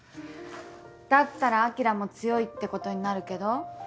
だったら晶も強いってことになるけど。